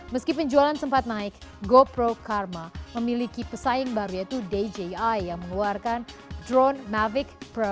meski penjualan sempat naik gopro karma memiliki pesaing baru yaitu dji yang mengeluarkan drone mavic pro